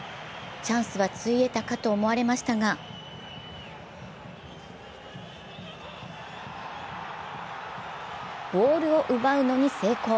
チャンスはついえたかと思われましたがボールを奪うのに成功。